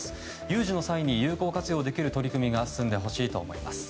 有事の際に有効活用できる取り組みが進んでほしいと思います。